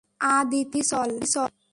আদিতি, চল!